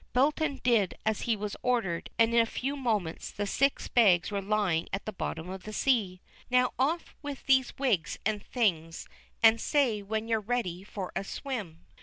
Belton did as he was ordered, and in a few moments the six bags were lying at the bottom of the sea. "Now off with these wigs and things, and say when you're ready for a swim."